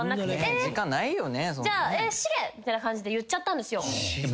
えーっ！みたいな感じで言っちゃったんですよ。